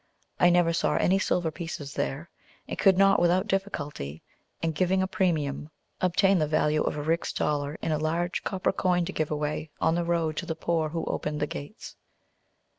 I never saw any silver pieces there, and could not without difficulty, and giving a premium, obtain the value of a rix dollar in a large copper coin to give away on the road to the poor who open the gates.